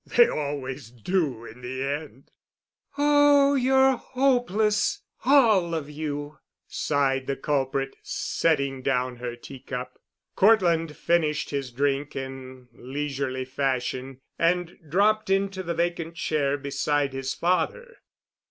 "They always do in the end." "Oh, you're hopeless—all of you," sighed the culprit, setting down her tea cup. Cortland finished his drink in leisurely fashion and dropped into the vacant chair beside his father.